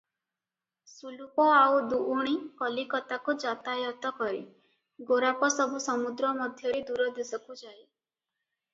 ସୁଲୁପ ଆଉ ଦୁଉଣୀ କଲିକତାକୁ ଯାତାୟତ କରେ, ଗୋରାପ ସବୁ ସମୁଦ୍ର ମଧ୍ୟରେ ଦୂର ଦେଶକୁ ଯାଏ ।